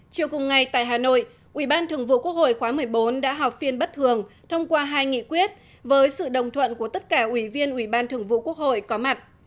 chiều cùng ngày tại hà nội ủy ban thường vụ quốc hội khóa một mươi bốn đã họp phiên bất thường thông qua hai nghị quyết với sự đồng thuận của tất cả ủy viên ủy ban thường vụ quốc hội có mặt